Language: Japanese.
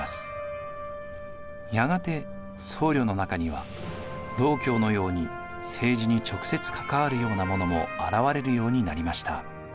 やがて僧侶の中には道鏡のように政治に直接関わるような者も現れるようになりました。